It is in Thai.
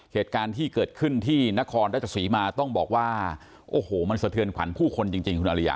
เหตุการณ์ที่เกิดขึ้นที่นครราชสีมาต้องบอกว่าโอ้โหมันสะเทือนขวัญผู้คนจริงคุณอริยา